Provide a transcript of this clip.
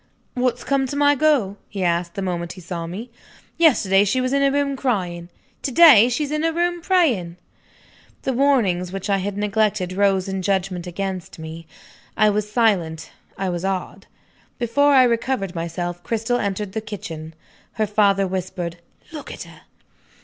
"What's come to my girl?" he asked, the moment he saw me. "Yesterday she was in her room, crying. To day she's in her room, praying." The warnings which I had neglected rose in judgment against me. I was silent; I was awed. Before I recovered myself, Cristel entered the kitchen. Her father whispered, "Look at her!"